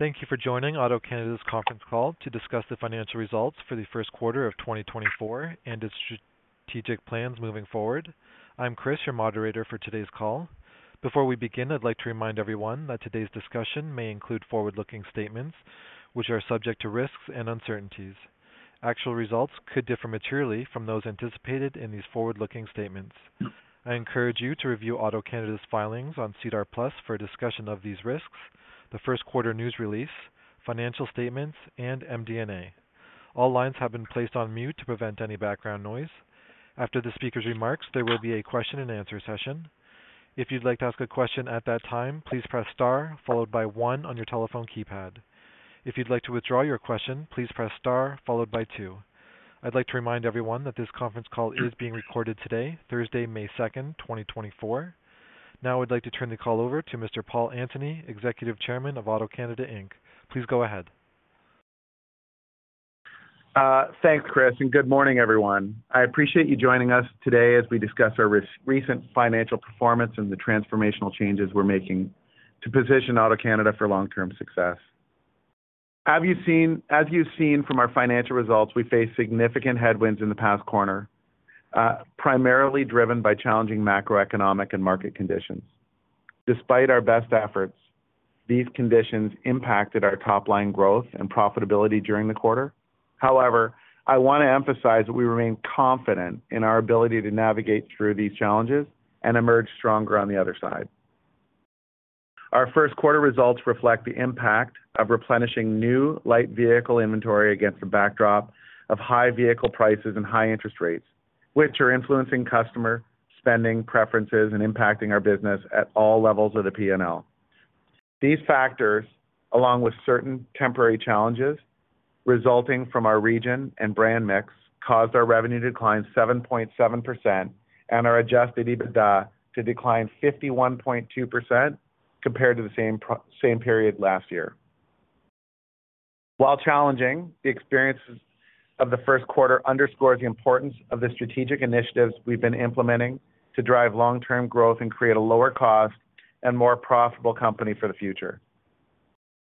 Thank you for joining AutoCanada's Conference Call to discuss the financial results for the Q1 of 2024 and its strategic plans moving forward. I'm Chris, your moderator for today's call. Before we begin, I'd like to remind everyone that today's discussion may include forward-looking statements, which are subject to risks and uncertainties. Actual results could differ materially from those anticipated in these forward-looking statements. I encourage you to review AutoCanada's filings on SEDAR+ for a discussion of these risks, the Q1 news release, financial statements, and MD&A. All lines have been placed on mute to prevent any background noise. After the speaker's remarks, there will be a Q&A session. If you'd like to ask a question at that time, please press Star, followed by one on your telephone keypad. If you'd like to withdraw your question, please press Star, followed by two. I'd like to remind everyone that this conference call is being recorded today, Thursday, May 2, 2024. Now I'd like to turn the call over to Mr. Paul Antony, Executive Chairman of AutoCanada Inc. Please go ahead. Thanks, Chris, and good morning, everyone. I appreciate you joining us today as we discuss our recent financial performance and the transformational changes we're making to position AutoCanada for long-term success. As you've seen from our financial results, we face significant headwinds in the past quarter, primarily driven by challenging macroeconomic and market conditions. Despite our best efforts, these conditions impacted our top-line growth and profitability during the quarter. However, I want to emphasize that we remain confident in our ability to navigate through these challenges and emerge stronger on the other side. Our Q1 results reflect the impact of replenishing new light vehicle inventory against the backdrop of high vehicle prices and high interest rates, which are influencing customer spending preferences and impacting our business at all levels of the P&L. These factors, along with certain temporary challenges resulting from our region and brand mix, caused our revenue to decline 7.7% and our adjusted EBITDA to decline 51.2% compared to the same period last year. While challenging, the experiences of the Q1 underscore the importance of the strategic initiatives we've been implementing to drive long-term growth and create a lower cost and more profitable company for the future.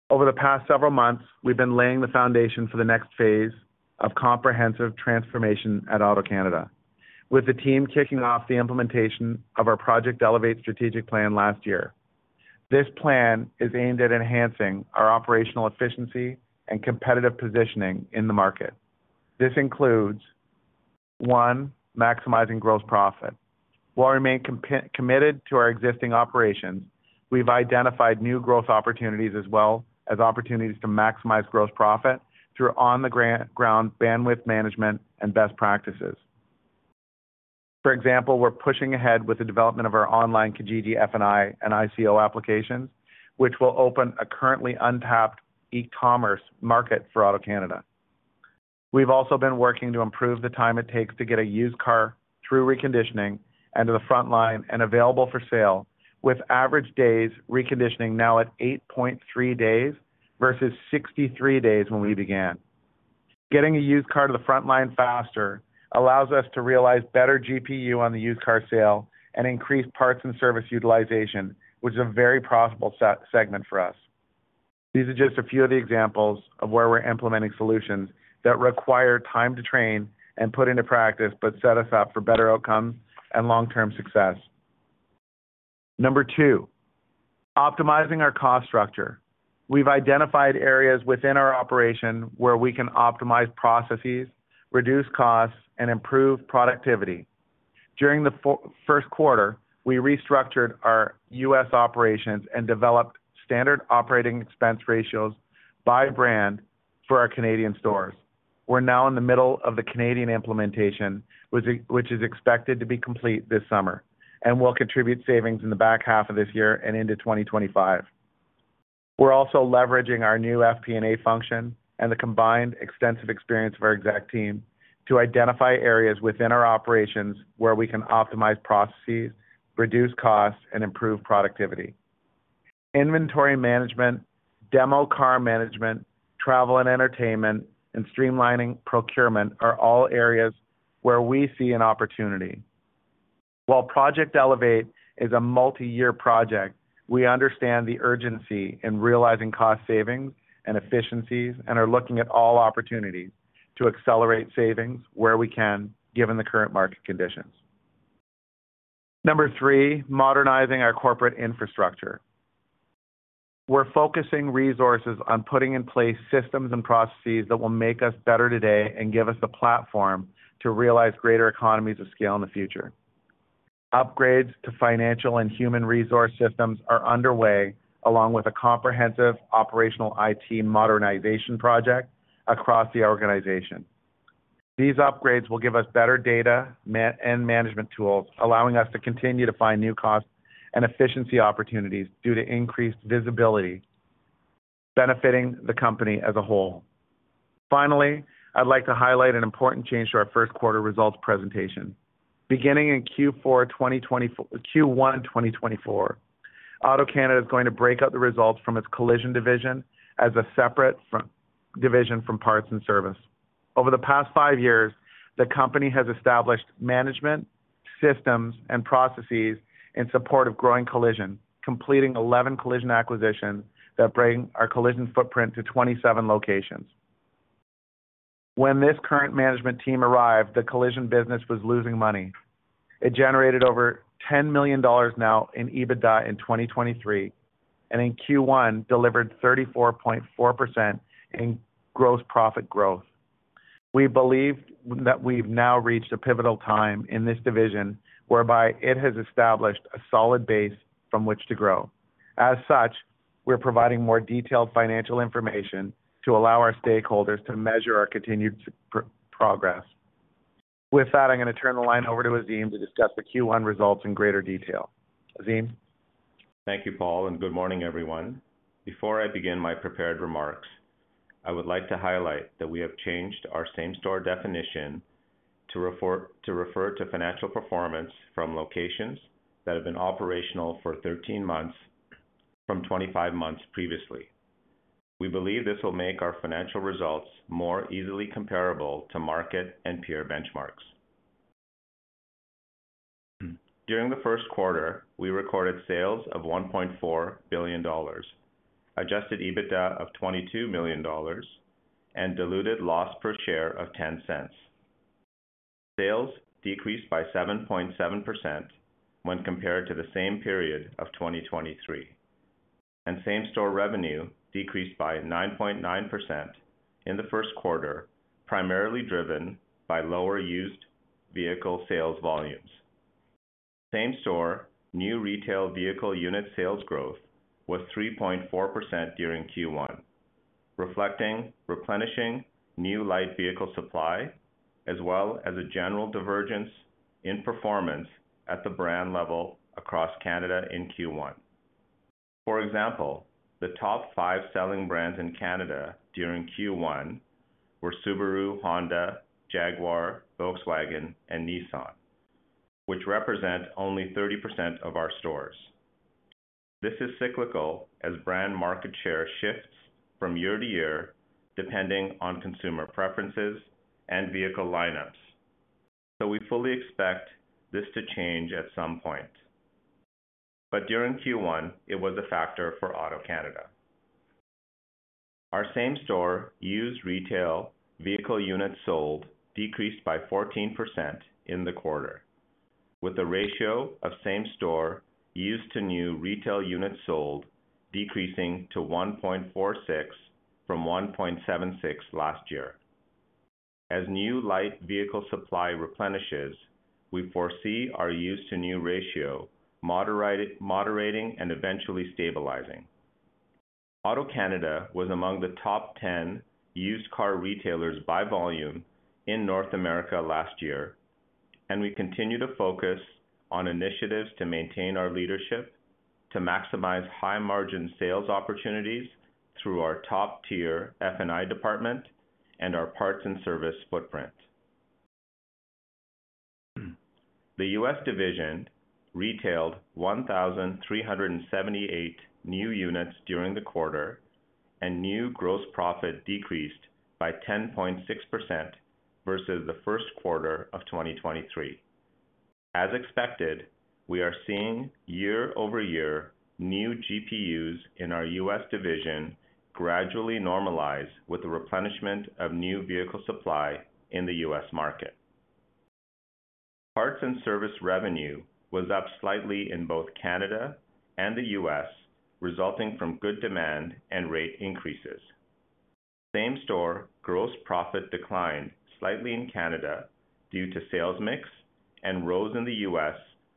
Over the past several months, we've been laying the foundation for the next phase of comprehensive transformation at AutoCanada, with the team kicking off the implementation of our Project Elevate strategic plan last year. This plan is aimed at enhancing our operational efficiency and competitive positioning in the market. This includes, one, maximizing gross profit. While we remain committed to our existing operations, we've identified new growth opportunities as well as opportunities to maximize growth profit through on the ground bandwidth management and best practices. For example, we're pushing ahead with the development of our online Kijiji F&I and ICO applications, which will open a currently untapped e-commerce market for AutoCanada. We've also been working to improve the time it takes to get a used car through reconditioning and to the front line and available for sale, with average days reconditioning now at 8.3 days versus 63 days when we began. Getting a used car to the front line faster allows us to realize better GPU on the used car sale and increase parts and service utilization, which is a very profitable segment for us. These are just a few of the examples of where we're implementing solutions that require time to train and put into practice, but set us up for better outcomes and long-term success. Number 2, optimizing our cost structure. We've identified areas within our operation where we can optimize processes, reduce costs, and improve productivity. During the Q1, we restructured our U.S. operations and developed standard operating expense ratios by brand for our Canadian stores. We're now in the middle of the Canadian implementation, which is expected to be complete this summer, and will contribute savings in the back half of this year and into 2025. We're also leveraging our new FP&A function and the combined extensive experience of our exec team to identify areas within our operations where we can optimize processes, reduce costs, and improve productivity. Inventory management, demo car management, travel and entertainment, and streamlining procurement are all areas where we see an opportunity. While Project Elevate is a multi-year project, we understand the urgency in realizing cost savings and efficiencies and are looking at all opportunities to accelerate savings where we can, given the current market conditions. Number three, modernizing our corporate infrastructure. We're focusing resources on putting in place systems and processes that will make us better today and give us the platform to realize greater economies of scale in the future. Upgrades to financial and human resource systems are underway, along with a comprehensive operational IT modernization project across the organization. These upgrades will give us better data management tools, allowing us to continue to find new cost and efficiency opportunities due to increased visibility, benefiting the company as a whole. Finally, I'd like to highlight an important change to our Q1 results presentation. Beginning in Q1 2024, AutoCanada is going to break out the results from its collision division as a separate division from parts and service. Over the past five years, the company has established management systems and processes in support of growing collision, completing 11 collision acquisitions that bring our collision footprint to 27 locations. When this current management team arrived, the collision business was losing money. It generated over 10 million dollars now in EBITDA in 2023, and in Q1, delivered 34.4% in gross profit growth. We believe that we've now reached a pivotal time in this division, whereby it has established a solid base from which to grow. As such, we're providing more detailed financial information to allow our stakeholders to measure our continued progress. With that, I'm gonna turn the line over to Azim to discuss the Q1 results in greater detail. Azim? Thank you, Paul, and good morning, everyone. Before I begin my prepared remarks, I would like to highlight that we have changed our same-store definition to refer to financial performance from locations that have been operational for 13 months, from 25 months previously. We believe this will make our financial results more easily comparable to market and peer benchmarks. During the Q1, we recorded sales of 1.4 billion dollars, adjusted EBITDA of 22 million dollars, and diluted loss per share of 0.10. Sales decreased by 7.7% when compared to the same period of 2023, and same-store revenue decreased by 9.9% in the Q1, primarily driven by lower used vehicle sales volumes. Same-store new retail vehicle unit sales growth was 3.4% during Q1, reflecting replenishing new light vehicle supply, as well as a general divergence in performance at the brand level across Canada in Q1. For example, the top five selling brands in Canada during Q1 were Subaru, Honda, Jaguar, Volkswagen, and Nissan, which represent only 30% of our stores. This is cyclical, as brand market share shifts from year to year, depending on consumer preferences and vehicle lineups, so we fully expect this to change at some point. During Q1, it was a factor for AutoCanada. Our same-store used retail vehicle units sold decreased by 14% in the quarter, with a ratio of same-store used to new retail units sold, decreasing to 1.46 from 1.76 last year. As new light vehicle supply replenishes, we foresee our used-to-new ratio moderating and eventually stabilizing. AutoCanada was among the top 10 used car retailers by volume in North America last year, and we continue to focus on initiatives to maintain our leadership, to maximize high-margin sales opportunities through our top-tier F&I department and our parts and service footprint. The U.S. division retailed 1,378 new units during the quarter, and new gross profit decreased by 10.6% versus the Q1 of 2023. As expected, we are seeing year-over-year new GPUs in our U.S. division gradually normalize with the replenishment of new vehicle supply in the U.S. market. Parts and service revenue was up slightly in both Canada and the U.S., resulting from good demand and rate increases. Same-store gross profit declined slightly in Canada due to sales mix, and rose in the U.S.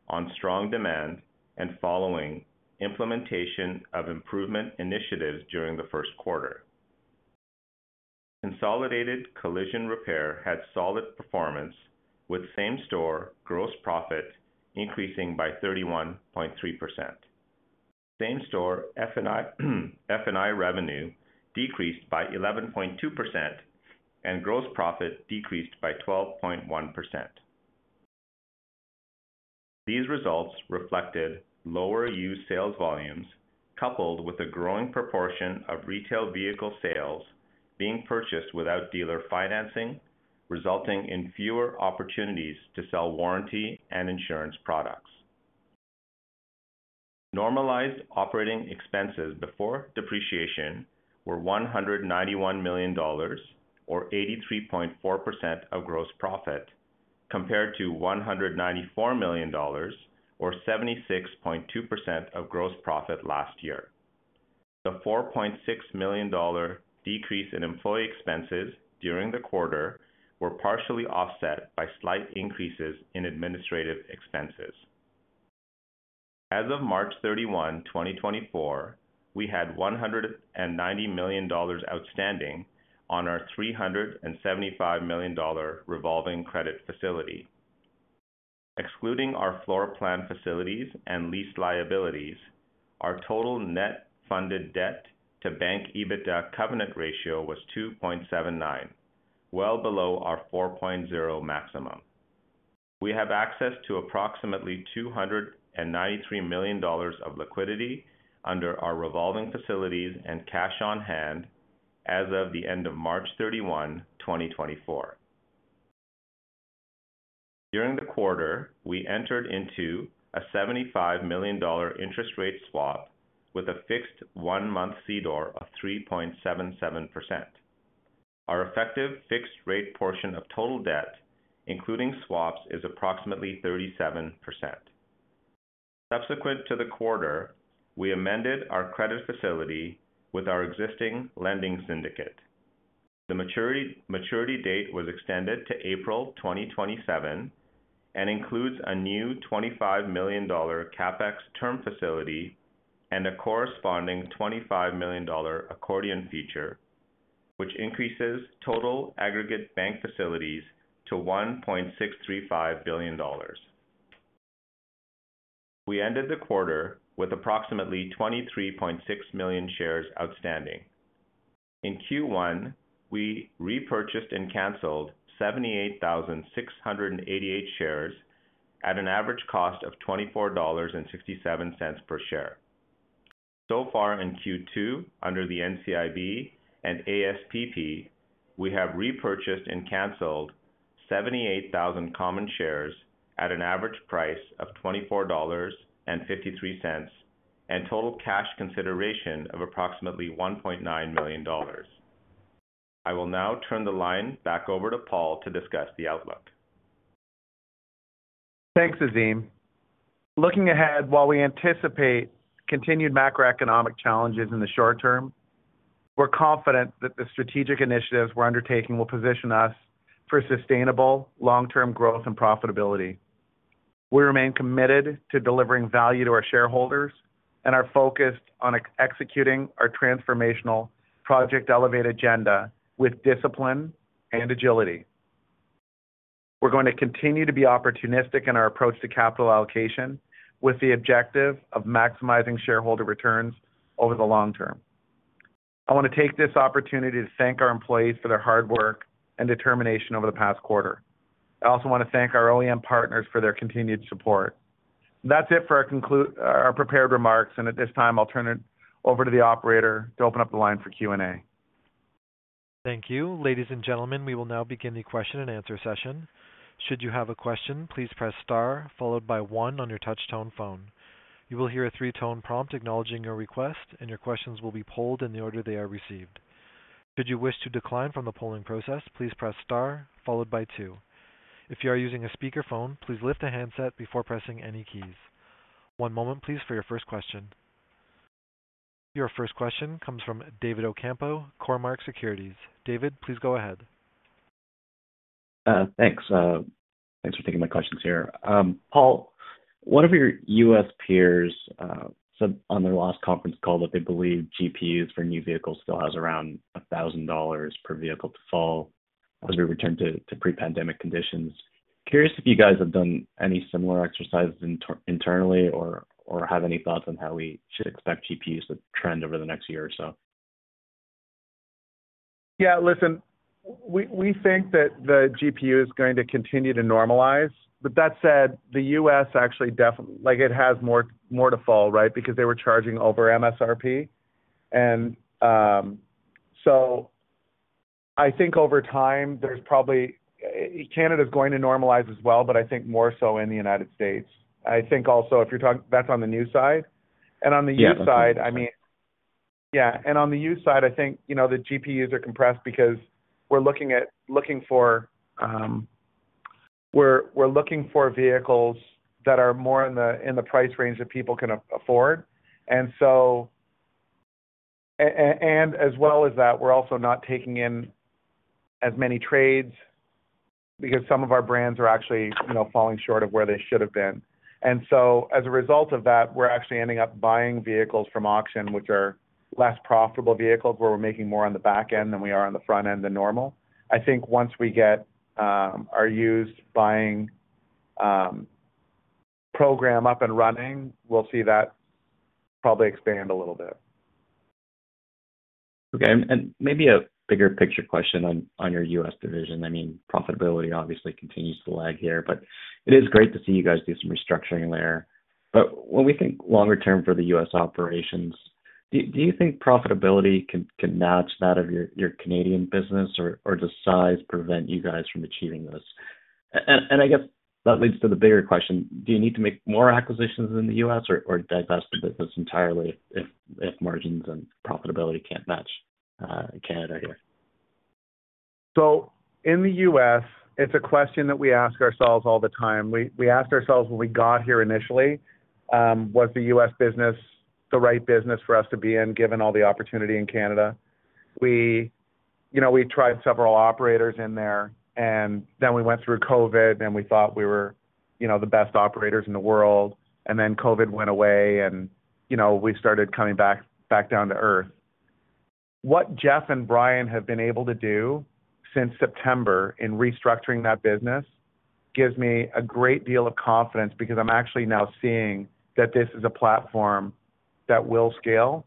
on strong demand and following implementation of improvement initiatives during the Q1. Consolidated collision repair had solid performance, with same-store gross profit increasing by 31.3%. Same-store F&I, F&I revenue decreased by 11.2%, and gross profit decreased by 12.1%. These results reflected lower used sales volumes, coupled with a growing proportion of retail vehicle sales being purchased without dealer financing, resulting in fewer opportunities to sell warranty and insurance products. Normalized operating expenses before depreciation were 191 million dollars, or 83.4% of gross profit, compared to 194 million dollars, or 76.2% of gross profit last year. The 4.6 million dollar decrease in employee expenses during the quarter were partially offset by slight increases in administrative expenses. As of March 31, 2024, we had 190 million dollars outstanding on our 375 million dollar revolving credit facility. Excluding our floor plan facilities and lease liabilities, our total net funded debt to bank EBITDA covenant ratio was 2.79, well below our 4.0 maximum. We have access to approximately 293 million dollars of liquidity under our revolving facilities and cash on hand as of the end of March 31, 2024. During the quarter, we entered into a 75 million dollar interest rate swap with a fixed one-month CDOR of 3.77%. Our effective fixed rate portion of total debt, including swaps, is approximately 37%. Subsequent to the quarter, we amended our credit facility with our existing lending syndicate. The maturity date was extended to April 2027 and includes a new 25 million dollar CapEx term facility and a corresponding 25 million dollar accordion feature, which increases total aggregate bank facilities to 1.635 billion dollars. We ended the quarter with approximately 23.6 million shares outstanding. In Q1, we repurchased and canceled 78,688 shares at an average cost of 24.67 dollars per share. So far in Q2, under the NCIB and ASPP, we have repurchased and canceled 78,000 common shares at an average price of 24.53 dollars, and total cash consideration of approximately 1.9 million dollars. I will now turn the line back over to Paul to discuss the outlook. Thanks, Azim. Looking ahead, while we anticipate continued macroeconomic challenges in the short term, we're confident that the strategic initiatives we're undertaking will position us for sustainable long-term growth and profitability. We remain committed to delivering value to our shareholders and are focused on executing our transformational Project Elevate agenda with discipline and agility. We're going to continue to be opportunistic in our approach to capital allocation, with the objective of maximizing shareholder returns over the long term. I want to take this opportunity to thank our employees for their hard work and determination over the past quarter. I also want to thank our OEM partners for their continued support. That's it for our prepared remarks, and at this time I'll turn it over to the operator to open up the line for Q&A. Thank you. Ladies and gentlemen, we will now begin the Q&A session. Should you have a question, please press star followed by one on your touch tone phone. You will hear a three-tone prompt acknowledging your request, and your questions will be polled in the order they are received. Should you wish to decline from the polling process, please press star followed by two. If you are using a speakerphone, please lift the handset before pressing any keys. One moment, please, for your first question. Your first question comes from David Ocampo, Cormark Securities. David, please go ahead. Thanks. Thanks for taking my questions here. Paul, one of your U.S. peers said on their last conference call that they believe GPUs for new vehicles still has around $1,000 per vehicle to fall as we return to pre-pandemic conditions. Curious if you guys have done any similar exercises internally or have any thoughts on how we should expect GPUs to trend over the next year or so? Yeah, listen, we think that the GPU is going to continue to normalize. But that said, the U.S. actually definitely like it has more to fall, right? Because they were charging over MSRP. And, so I think over time, there's probably... Canada is going to normalize as well, but I think more so in the United States. I think also, if you're talking, that's on the new side. Yeah. And on the used side, I mean, yeah, and on the used side, I think, you know, the GPUs are compressed because we're looking for vehicles that are more in the price range that people can afford. And so, and as well as that, we're also not taking in as many trades because some of our brands are actually, you know, falling short of where they should have been. And so as a result of that, we're actually ending up buying vehicles from auction, which are less profitable vehicles, where we're making more on the back end than we are on the front end than normal. I think once we get our used buying program up and running, we'll see that probably expand a little bit. Okay. Maybe a bigger picture question on your U.S. division. I mean, profitability obviously continues to lag here, but it is great to see you guys do some restructuring there. But when we think longer term for the U.S. operations, do you think profitability can match that of your Canadian business or does size prevent you guys from achieving this? And I guess that leads to the bigger question: Do you need to make more acquisitions in the U.S. or divest the business entirely if margins and profitability can't match Canada here? In the U.S., it's a question that we ask ourselves all the time. We, we asked ourselves when we got here initially, "Was the U.S. business the right business for us to be in, given all the opportunity in Canada?" We... You know, we tried several operators in there, and then we went through COVID, and we thought we were, you know, the best operators in the world. Then COVID went away and, you know, we started coming back, back down to earth. What Jeff and Brian have been able to do since September in restructuring that business gives me a great deal of confidence because I'm actually now seeing that this is a platform that will scale,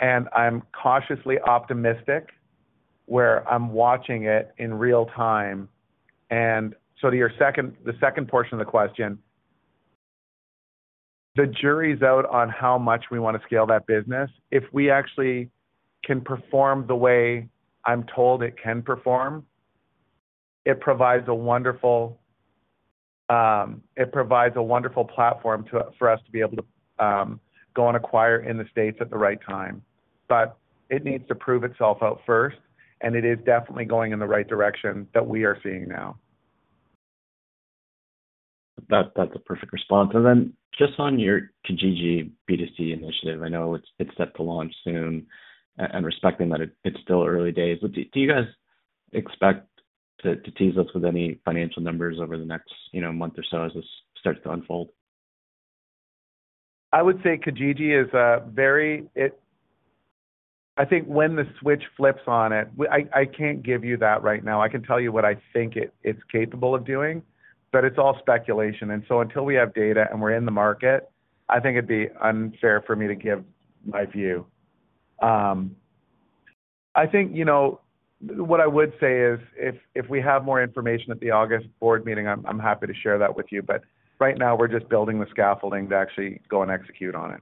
and I'm cautiously optimistic where I'm watching it in real time. To your second, the second portion of the question. The jury's out on how much we want to scale that business. If we actually can perform the way I'm told it can perform, it provides a wonderful, it provides a wonderful platform to, for us to be able to, go and acquire in the States at the right time. But it needs to prove itself out first, and it is definitely going in the right direction that we are seeing now. That's a perfect response. And then just on your Kijiji B2C initiative, I know it's set to launch soon, and respecting that it's still early days, but do you guys expect to tease us with any financial numbers over the next, you know, month or so as this starts to unfold? I would say Kijiji is. I think when the switch flips on it, I can't give you that right now. I can tell you what I think it, it's capable of doing, but it's all speculation. And so until we have data and we're in the market, I think it'd be unfair for me to give my view. I think, you know, what I would say is, if we have more information at the August board meeting, I'm happy to share that with you, but right now we're just building the scaffolding to actually go and execute on it.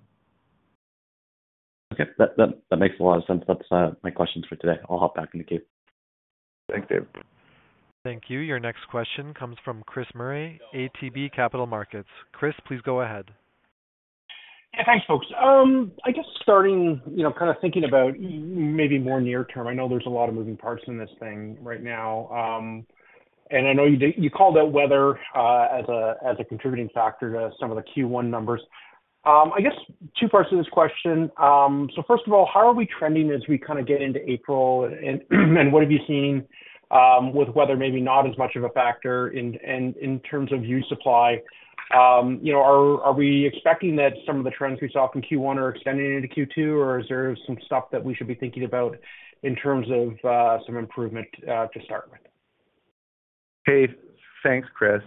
Okay. That makes a lot of sense. That's my questions for today. I'll hop back in the queue. Thanks, Dave. Thank you. Your next question comes from Chris Murray, ATB Capital Markets. Chris, please go ahead. Yeah, thanks, folks. I guess starting, you know, kind of thinking about maybe more near term, I know there's a lot of moving parts in this thing right now, and I know you did you called out weather, as a, as a contributing factor to some of the Q1 numbers. I guess two parts to this question. So first of all, how are we trending as we kind of get into April, and, and what have you seen, with weather maybe not as much of a factor in terms of used supply? You know, are we expecting that some of the trends we saw from Q1 are extending into Q2, or is there some stuff that we should be thinking about in terms of, some improvement, to start with? Hey, thanks, Chris.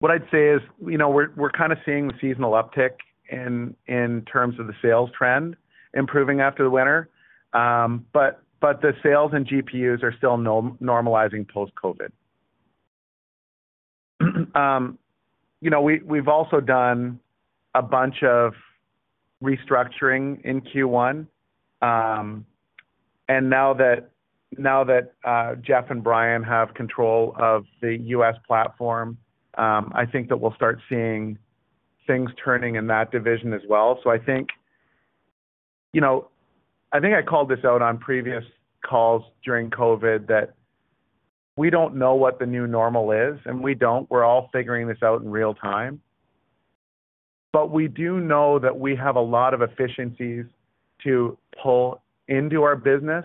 What I'd say is, you know, we're kind of seeing the seasonal uptick in terms of the sales trend improving after the winter. But the sales and GPUs are still normalizing post-COVID. You know, we've also done a bunch of restructuring in Q1, and now that Jeff and Brian have control of the US platform, I think that we'll start seeing things turning in that division as well. So I think... You know, I think I called this out on previous calls during COVID, that we don't know what the new normal is, and we don't. We're all figuring this out in real time. But we do know that we have a lot of efficiencies to pull into our business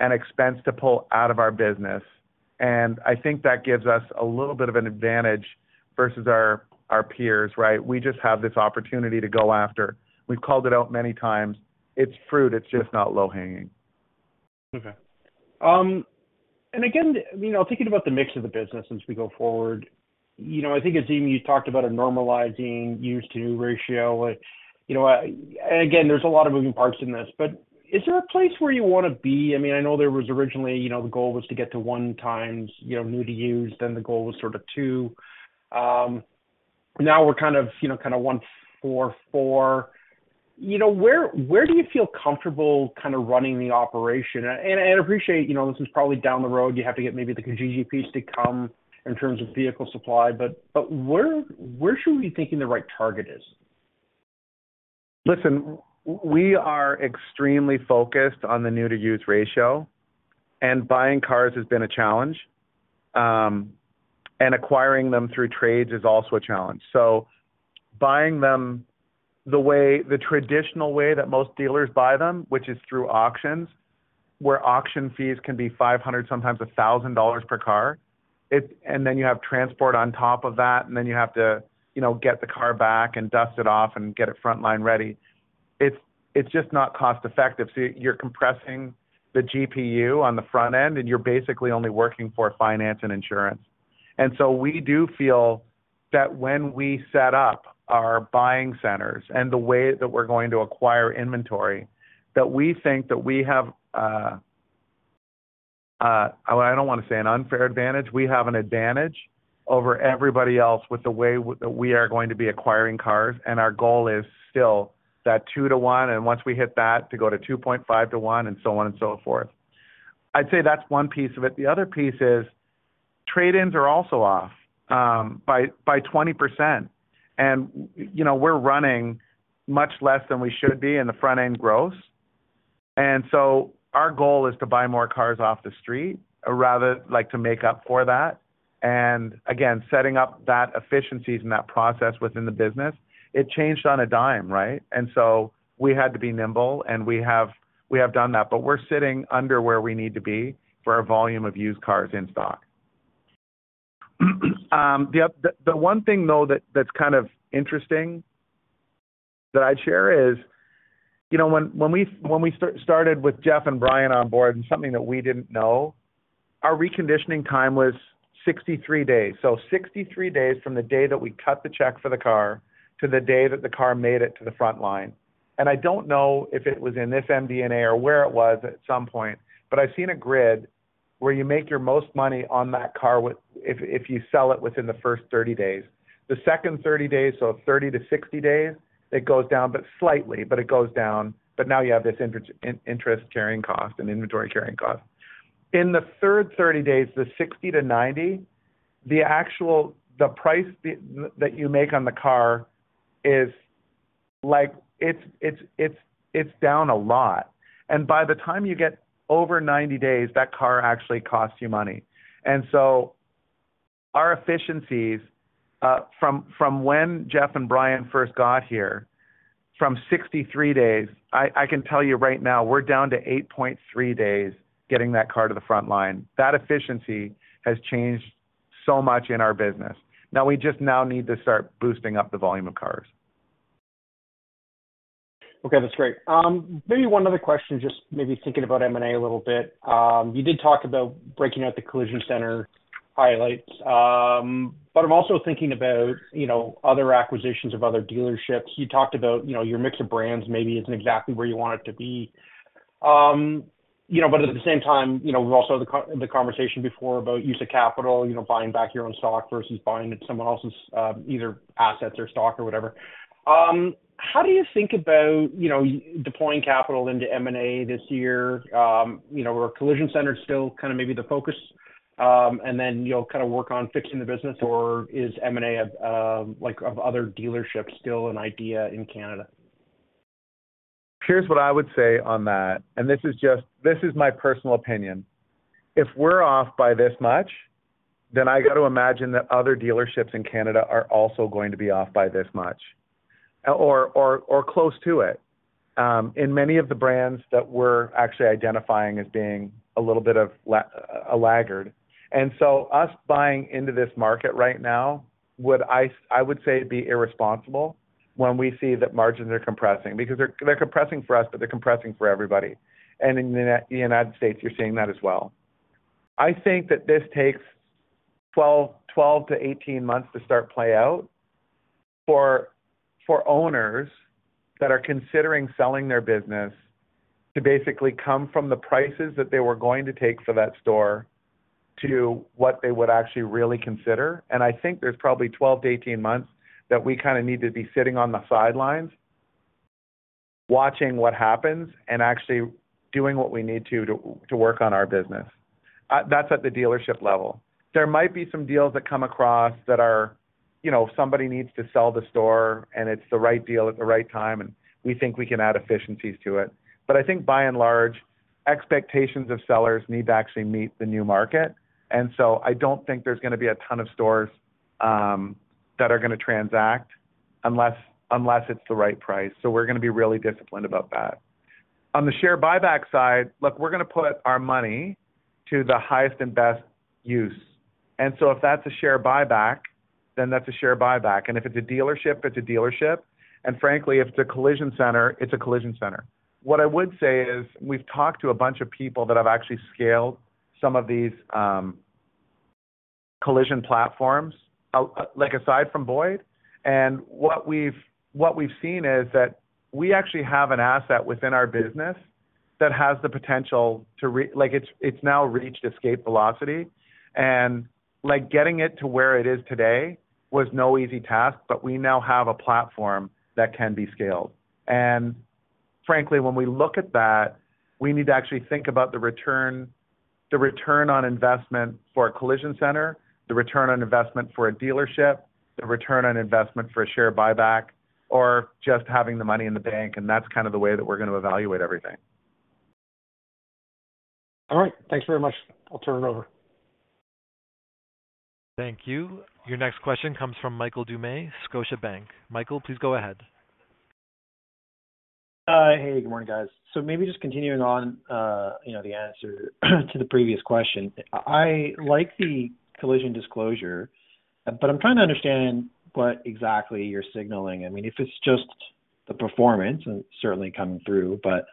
and expense to pull out of our business, and I think that gives us a little bit of an advantage versus our, our peers, right? We just have this opportunity to go after. We've called it out many times. It's fruit. It's just not low-hanging. Okay. And again, you know, thinking about the mix of the business as we go forward, you know, I think it's even you talked about a normalizing used to new ratio. You know, and again, there's a lot of moving parts in this, but is there a place where you want to be? I mean, I know there was originally, you know, the goal was to get to 1 times, you know, new to used, then the goal was sort of 2. Now we're kind of, you know, kind of 1 4, 4. You know, where, where do you feel comfortable kind of running the operation? And, and I appreciate, you know, this is probably down the road. You have to get maybe the Kijiji piece to come in terms of vehicle supply, but, but where, where should we be thinking the right target is? Listen, we are extremely focused on the new-to-used ratio, and buying cars has been a challenge, and acquiring them through trades is also a challenge. So buying them the way, the traditional way that most dealers buy them, which is through auctions, where auction fees can be $500, sometimes $1,000 per car, and then you have transport on top of that, and then you have to, you know, get the car back and dust it off and get it front-line ready. It's just not cost-effective. So you're compressing the GPU on the front end, and you're basically only working for finance and insurance. And so we do feel that when we set up our buying centers and the way that we're going to acquire inventory, that we think that we have, I don't want to say, an unfair advantage. We have an advantage over everybody else with the way that we are going to be acquiring cars, and our goal is still that 2-to-1, and once we hit that, to go to 2.5-to-1, and so on and so forth. I'd say that's one piece of it. The other piece is trade-ins are also off by 20%, and, you know, we're running much less than we should be in the front-end growth. And so our goal is to buy more cars off the street, rather, like, to make up for that. And again, setting up that efficiencies and that process within the business, it changed on a dime, right? And so we had to be nimble, and we have, we have done that, but we're sitting under where we need to be for our volume of used cars in stock. The other thing, the one thing, though, that's kind of interesting that I'd share is, you know, when we started with Jeff and Brian on board and something that we didn't know, our reconditioning time was 63 days. So 63 days from the day that we cut the check for the car to the day that the car made it to the front line. And I don't know if it was in this MD&A or where it was at some point, but I've seen a grid where you make your most money on that car with, if you sell it within the first 30 days. The second 30 days, so 30-60 days, it goes down, but slightly, but it goes down. But now you have this interest carrying cost and inventory carrying cost. In the third 30 days, the 60-90, the actual price that you make on the car is like, it's down a lot. And by the time you get over 90 days, that car actually costs you money. And so our efficiencies from when Jeff and Brian first got here, from 63 days, I can tell you right now, we're down to 8.3 days getting that car to the front line. That efficiency has changed so much in our business. Now, we just now need to start boosting up the volume of cars. Okay, that's great. Maybe one other question, just maybe thinking about M&A a little bit. You did talk about breaking out the collision center highlights, but I'm also thinking about, you know, other acquisitions of other dealerships. You talked about, you know, your mix of brands maybe isn't exactly where you want it to be. But at the same time, you know, we've also had the conversation before about use of capital, you know, buying back your own stock versus buying someone else's, either assets or stock or whatever. How do you think about, you know, deploying capital into M&A this year? You know, are collision centers still kind of maybe the focus, and then you'll kind of work on fixing the business, or is M&A, like, of other dealerships, still an idea in Canada? Here's what I would say on that, and this is just, this is my personal opinion. If we're off by this much, then I got to imagine that other dealerships in Canada are also going to be off by this much, or, or, or close to it, in many of the brands that we're actually identifying as being a little bit of a laggard. And so us buying into this market right now, I would say, be irresponsible when we see that margins are compressing. Because they're, they're compressing for us, but they're compressing for everybody. And in the United States, you're seeing that as well. I think that this takes 12-18 months to start play out for owners that are considering selling their business to basically come from the prices that they were going to take for that store to what they would actually really consider. I think there's probably 12-18 months that we kinda need to be sitting on the sidelines, watching what happens and actually doing what we need to work on our business. That's at the dealership level. There might be some deals that come across that are, you know, somebody needs to sell the store, and it's the right deal at the right time, and we think we can add efficiencies to it. I think by and large, expectations of sellers need to actually meet the new market, and so I don't think there's gonna be a ton of stores that are gonna transact unless it's the right price. So we're gonna be really disciplined about that. On the share buyback side, look, we're gonna put our money to the highest and best use. And so if that's a share buyback, then that's a share buyback. And if it's a dealership, it's a dealership. And frankly, if it's a collision center, it's a collision center. What I would say is, we've talked to a bunch of people that have actually scaled some of these collision platforms, like, aside from Boyd. What we've seen is that we actually have an asset within our business that has the potential to—like, it's now reached escape velocity, and, like, getting it to where it is today was no easy task, but we now have a platform that can be scaled. And frankly, when we look at that, we need to actually think about the return, the return on investment for a collision center, the return on investment for a dealership, the return on investment for a share buyback, or just having the money in the bank, and that's kind of the way that we're going to evaluate everything. All right. Thanks very much. I'll turn it over. Thank you. Your next question comes from Michael Doumet, Scotiabank. Michael, please go ahead. Hey, good morning, guys. So maybe just continuing on, you know, the answer to the previous question. I like the collision disclosure, but I'm trying to understand what exactly you're signaling. I mean, if it's just the performance, and it's certainly coming through, but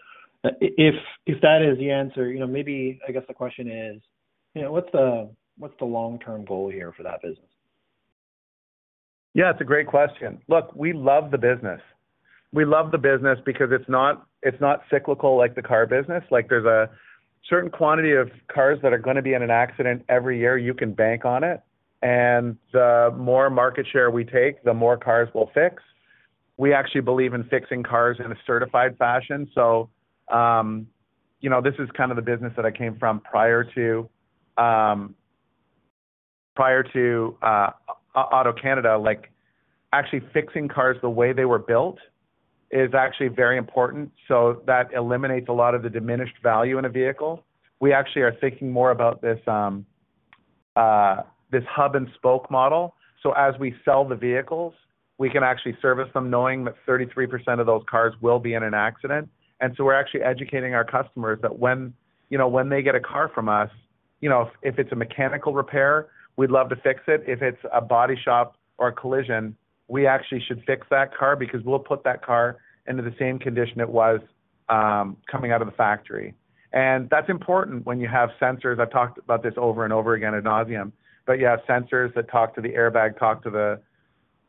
if that is the answer, you know, maybe I guess the question is, you know, what's the long-term goal here for that business? Yeah, it's a great question. Look, we love the business. We love the business because it's not, it's not cyclical like the car business. Like, there's a certain quantity of cars that are gonna be in an accident every year, you can bank on it. And the more market share we take, the more cars we'll fix. We actually believe in fixing cars in a certified fashion. So, you know, this is kind of the business that I came from prior to, prior to, AutoCanada. Like, actually fixing cars the way they were built is actually very important, so that eliminates a lot of the diminished value in a vehicle. We actually are thinking more about this, this hub and spoke model. So as we sell the vehicles, we can actually service them, knowing that 33% of those cars will be in an accident. And so we're actually educating our customers that when, you know, when they get a car from us, you know, if it's a mechanical repair, we'd love to fix it. If it's a body shop or a collision, we actually should fix that car because we'll put that car into the same condition it was coming out of the factory. And that's important when you have sensors. I've talked about this over and over again ad nauseam, but you have sensors that talk to the airbag, talk to the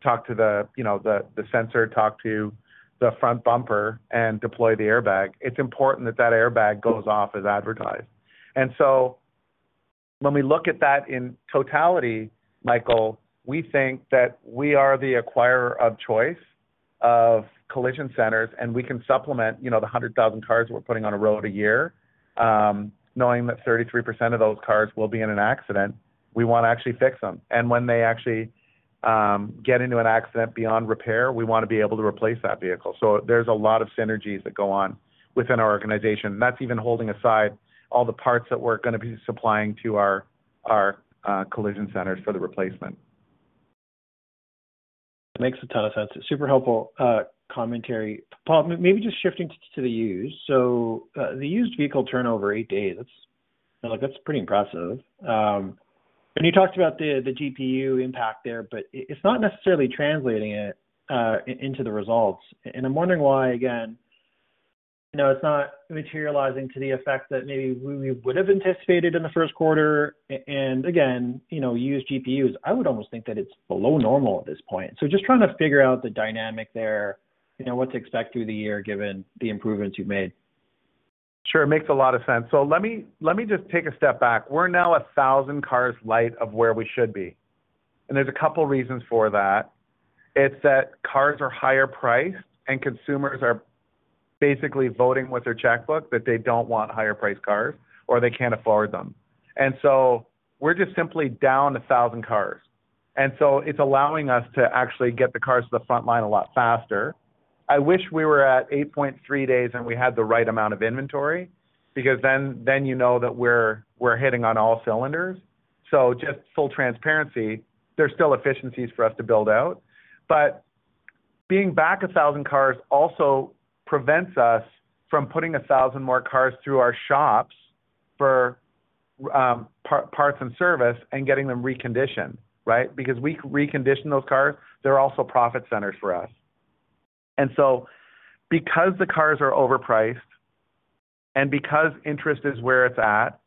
sensor, talk to the front bumper and deploy the airbag. It's important that that airbag goes off as advertised. And so when we look at that in totality, Michael, we think that we are the acquirer of choice of collision centers, and we can supplement, you know, the 100,000 cars we're putting on a road a year. Knowing that 33% of those cars will be in an accident, we wanna actually fix them. And when they actually get into an accident beyond repair, we wanna be able to replace that vehicle. So there's a lot of synergies that go on within our organization, and that's even holding aside all the parts that we're gonna be supplying to our collision centers for the replacement. Makes a ton of sense. Super helpful commentary. Paul, maybe just shifting to the used. So, the used vehicle turnover, 8 days, look, that's pretty impressive. And you talked about the GPU impact there, but it's not necessarily translating it into the results. And I'm wondering why, again, you know, it's not materializing to the effect that maybe we would have anticipated in the Q1. And again, you know, used GPUs, I would almost think that it's below normal at this point. So just trying to figure out the dynamic there, you know, what to expect through the year, given the improvements you've made. Sure. It makes a lot of sense. So let me, let me just take a step back. We're now 1,000 cars light of where we should be, and there's a couple reasons for that. It's that cars are higher priced, and consumers are basically voting with their checkbook, that they don't want higher priced cars or they can't afford them. And so we're just simply down 1,000 cars, and so it's allowing us to actually get the cars to the front line a lot faster. I wish we were at 8.3 days, and we had the right amount of inventory, because then, then you know that we're, we're hitting on all cylinders. So just full transparency, there's still efficiencies for us to build out, but being back 1,000 cars also prevents us from putting 1,000 more cars through our shops for parts and service and getting them reconditioned, right? Because we recondition those cars, they're also profit centers for us. And so, because the cars are overpriced, and because interest is where it's at,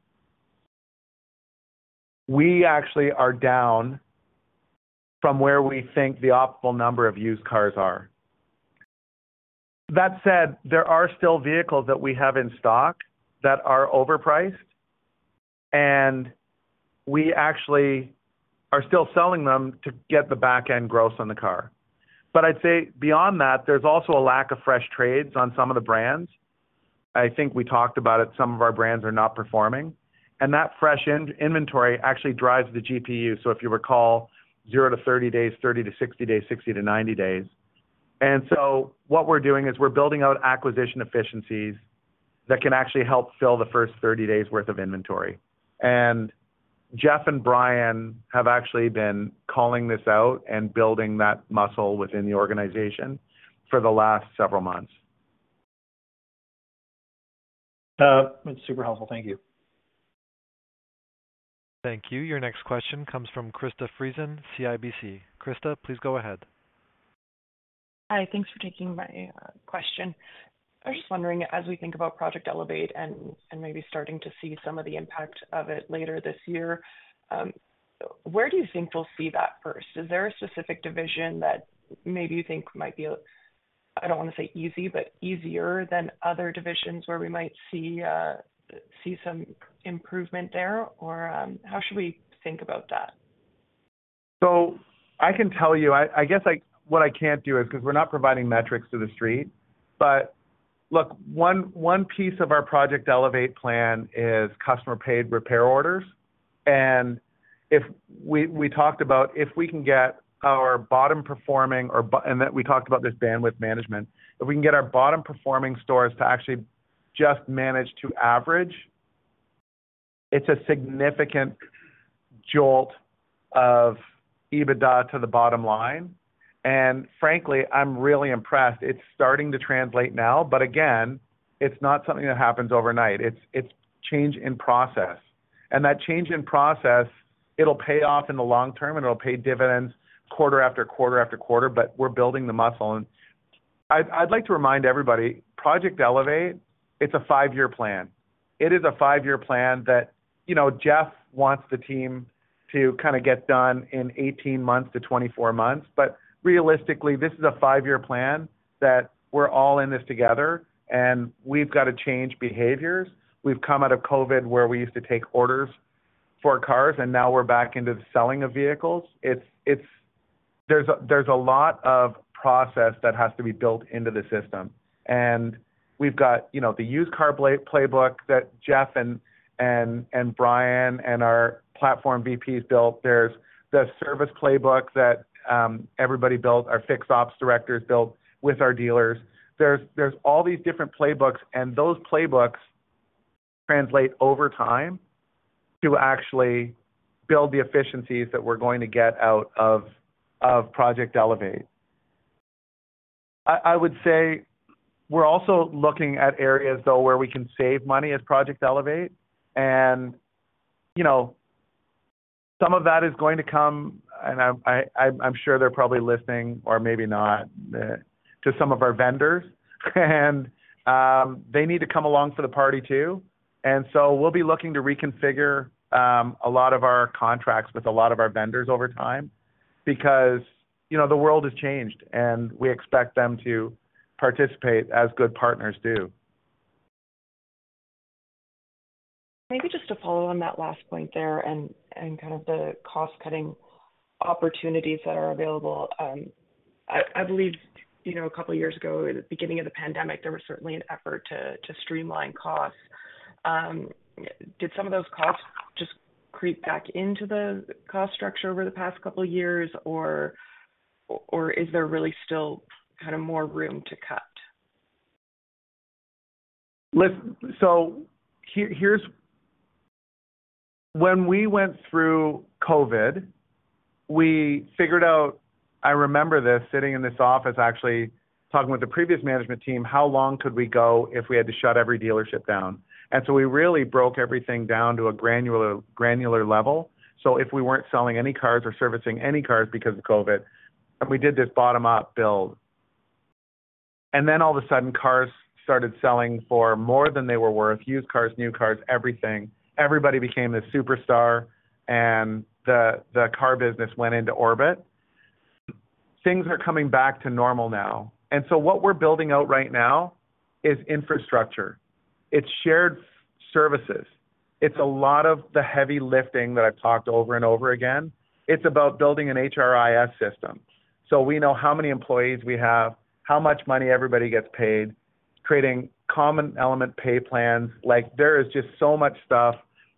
we actually are down from where we think the optimal number of used cars are. That said, there are still vehicles that we have in stock that are overpriced, and we actually are still selling them to get the back-end gross on the car. But I'd say beyond that, there's also a lack of fresh trades on some of the brands. I think we talked about it, some of our brands are not performing, and that fresh inventory actually drives the GPU. So if you recall, 0 to 30 days, 30 to 60 days, 60 to 90 days. And so what we're doing is we're building out acquisition efficiencies that can actually help fill the first 30 days worth of inventory. And Jeff and Brian have actually been calling this out and building that muscle within the organization for the last several months. It's super helpful. Thank you. Thank you. Your next question comes from Krista Friesen, CIBC. Krista, please go ahead. Hi, thanks for taking my question. I was just wondering, as we think about Project Elevate and maybe starting to see some of the impact of it later this year, where do you think we'll see that first? Is there a specific division that maybe you think might be, I don't want to say easy, but easier than other divisions, where we might see some improvement there? Or, how should we think about that? So I can tell you, I guess, what I can't do is, because we're not providing metrics to the street. But look, one piece of our Project Elevate plan is customer-paid repair orders. And if we talked about if we can get our bottom performing and that we talked about this bandwidth management, if we can get our bottom-performing stores to actually just manage to average, it's a significant jolt of EBITDA to the bottom line, and frankly, I'm really impressed. It's starting to translate now, but again, it's not something that happens overnight. It's change in process. And that change in process, it'll pay off in the long term, and it'll pay dividends quarter after quarter after quarter, but we're building the muscle. And I'd like to remind everybody, Project Elevate, it's a five-year plan. It is a 5-year plan that, you know, Jeff wants the team to kind of get done in 18 months to 24 months. But realistically, this is a 5-year plan, that we're all in this together, and we've got to change behaviors. We've come out of COVID, where we used to take orders for cars, and now we're back into the selling of vehicles. It's. There's a lot of process that has to be built into the system. And we've got, you know, the used car playbook that Jeff and Brian and our platform VPs built. There's the service playbook that everybody built, our fixed ops directors built with our dealers. There's all these different playbooks, and those playbooks translate over time to actually build the efficiencies that we're going to get out of Project Elevate. I would say we're also looking at areas, though, where we can save money as Project Elevate, and, you know, some of that is going to come, and I'm sure they're probably listening, or maybe not, to some of our vendors, and, they need to come along for the party too. So we'll be looking to reconfigure a lot of our contracts with a lot of our vendors over time, because you know, the world has changed, and we expect them to participate as good partners do. Maybe just to follow on that last point there and kind of the cost-cutting opportunities that are available. I believe, you know, a couple of years ago, at the beginning of the pandemic, there was certainly an effort to streamline costs. Did some of those costs just creep back into the cost structure over the past couple of years, or is there really still kind of more room to cut? Listen, so here, here's when we went through COVID, we figured out, I remember this, sitting in this office actually talking with the previous management team, how long could we go if we had to shut every dealership down? And so we really broke everything down to a granular, granular level. So if we weren't selling any cars or servicing any cars because of COVID, and we did this bottom-up build. And then all of a sudden, cars started selling for more than they were worth, used cars, new cars, everything. Everybody became a superstar, and the car business went into orbit. Things are coming back to normal now, and so what we're building out right now is infrastructure. It's shared services. It's a lot of the heavy lifting that I've talked over and over again. It's about building an HRIS system. So we know how many employees we have, how much money everybody gets paid, creating common element pay plans. Like, there is just so much stuff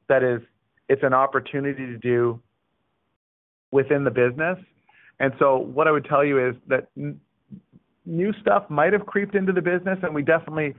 that is, it's an opportunity to do within the business. And so what I would tell you is that new stuff might have creeped into the business, and we definitely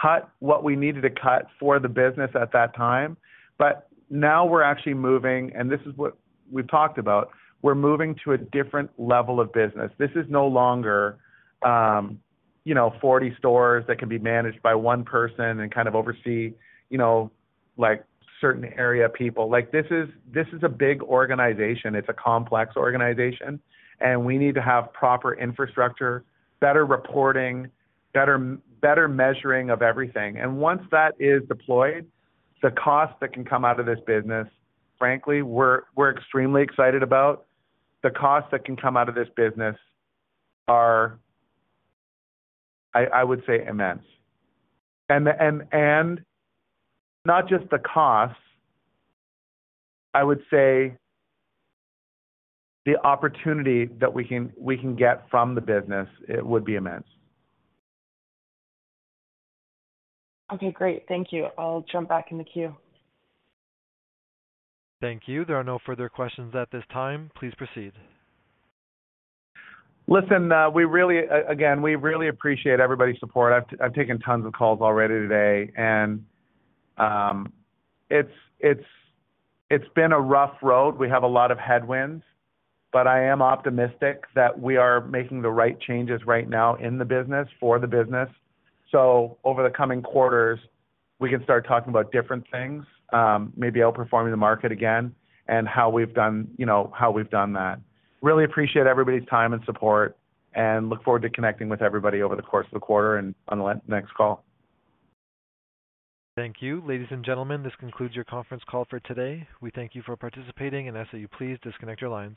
cut what we needed to cut for the business at that time. But now we're actually moving, and this is what we've talked about, we're moving to a different level of business. This is no longer, you know, 40 stores that can be managed by one person and kind of oversee, you know, like, certain area people. Like, this is, this is a big organization. It's a complex organization, and we need to have proper infrastructure, better reporting, better measuring of everything. Once that is deployed, the cost that can come out of this business, frankly, we're extremely excited about. The costs that can come out of this business are, I would say, immense. And not just the costs, I would say the opportunity that we can get from the business, it would be immense. Okay, great. Thank you. I'll jump back in the queue. Thank you. There are no further questions at this time. Please proceed. Listen, we really, again, we really appreciate everybody's support. I've taken tons of calls already today, and, it's been a rough road. We have a lot of headwinds, but I am optimistic that we are making the right changes right now in the business for the business. So over the coming quarters, we can start talking about different things, maybe outperforming the market again and how we've done, you know, how we've done that. Really appreciate everybody's time and support, and look forward to connecting with everybody over the course of the quarter and on the next call. Thank you. Ladies and gentlemen, this concludes your conference call for today. We thank you for participating and ask that you please disconnect your lines.